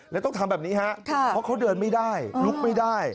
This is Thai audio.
แล้วต้องทำแบบนี้ฮะเพราะเขาเดินไม่ได้ลุกไม่ได้